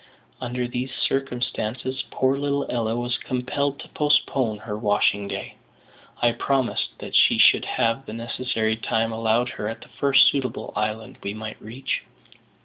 Under these circumstances poor little Ella was compelled to postpone her washing day, I promising that she should have the necessary time allowed her at the first suitable island we might reach.